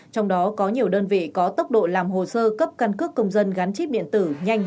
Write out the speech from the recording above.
trong đó có nhiều đơn vị có tốc độ làm hồ sơ cấp căn cước công dân gắn chip điện tử nhanh